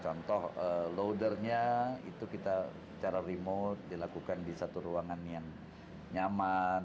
contoh loadernya itu kita cara remote dilakukan di satu ruangan yang nyaman